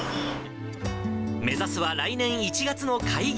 目指すは、来年１月の開業。